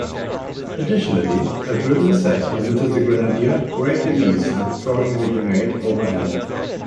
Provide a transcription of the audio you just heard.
Additionally, a brimless hat permitted the grenadier greater ease in throwing the grenade overhand.